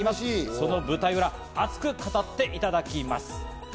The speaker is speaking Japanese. その舞台裏、熱く語っていただきます。